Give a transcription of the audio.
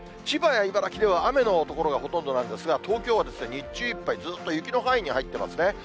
千葉や茨城では雨の所がほとんどなんですが、東京は日中いっぱい、ずっと雪の範囲に入っていますね。